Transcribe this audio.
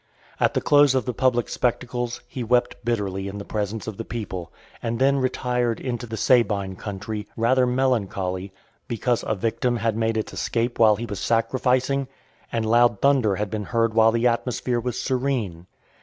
At the close of the public spectacles, he wept bitterly in the presence of the people, and then retired into the Sabine country , rather melancholy, because a victim had made its escape while he was sacrificing, and loud thunder had been heard while the atmosphere was serene.